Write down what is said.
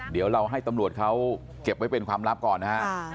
เดี๋ยวเราให้ตำรวจเขาเก็บไว้เป็นความลับก่อนนะครับ